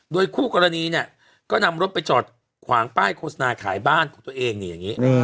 โดยคู่กรณีเนี่ยก็นำรถไปจอดขวางป้ายโฆษณาขายบ้านของตัวเองนี่อย่างนี้